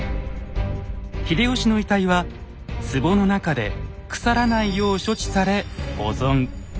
秀吉の遺体はつぼの中で腐らないよう処置され保存。